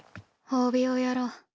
褒美をやろう。